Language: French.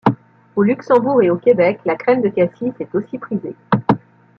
Au Luxembourg et au Québec, la crème de cassis est aussi prisée.